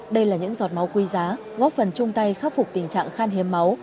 đây là những giọt máu quý giá góp phần chung tay khắc phục tình trạng khan hiếm máu